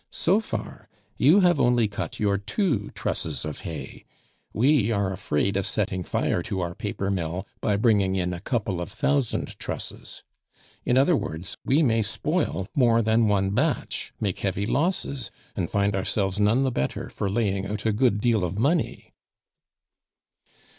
So far, you have only cut your two trusses of hay; we are afraid of setting fire to our paper mill by bringing in a couple of thousand trusses. In other words, we may spoil more than one batch, make heavy losses, and find ourselves none the better for laying out a good deal of money."